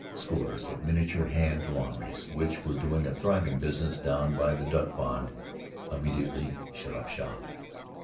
Scores of miniature hand laundries, which were doing a thriving business down by the duck pond, immediately shut up shop.